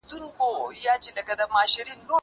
زه پرون درسونه اورم وم!؟